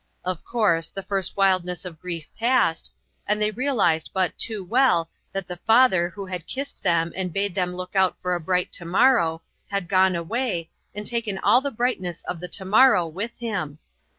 Of course, the first wildness of grief passed, and they realized but too well that the father who had kissed them and bade them look out for a blight to morrow, had gone away, and taken all the brightness of the to morrow with him.